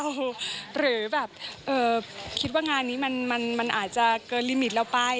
หรือแบบคิดว่างานนี้มันอาจจะเกินลิมิตเราไป